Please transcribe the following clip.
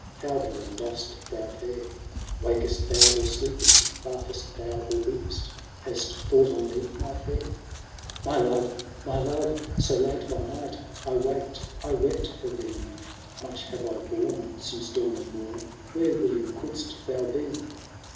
How, Helen, dost thou fare ? Wakest thou, or sleep'st ? laugh'st thou, or weep'st ? Hast thought on me, my fair ?" XXVIII " My love ! my love !— so late by night !— 1 waked, I wept for thee :— Much have I borne since dawn of morn ; Where, William, couldst thou be